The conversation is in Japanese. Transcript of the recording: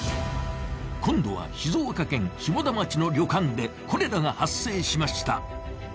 今度は静岡県下田町の旅館でコレラが発生しました。